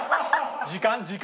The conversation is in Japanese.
時間時間。